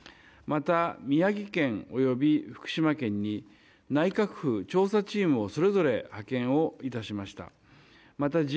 また、宮城県及び福島県に内閣府調査チームをそれぞれ派遣を致しました。